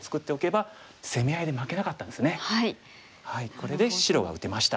これで白が打てました。